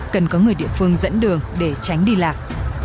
cần có người địa phương dẫn đường để tránh đi lạc